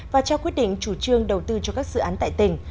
và trao quyết định chủ trương đầu tư cho các dự án tại tỉnh